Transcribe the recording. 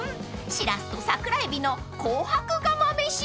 しらすとサクラエビの紅白釜飯］